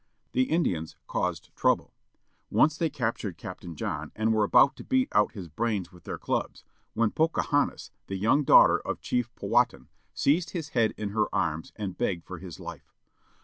The Indians caused trouble. Once they captured Captain John and were about to beat out his brains with their clubs, when Pocahontas, the young daughter of Chief Powhattan, seized his head in her arms, and begged for his life.